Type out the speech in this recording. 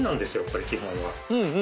これ基本は。